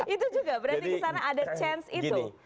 itu juga berarti kesana ada chance itu